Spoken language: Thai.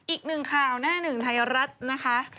อีกหนึ่งข่าวหน้าหนึ่งไทยรัฐนะคะ